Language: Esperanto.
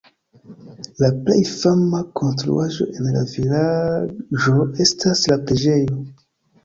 La plej fama konstruaĵo en la vilaĝo estas la preĝejo.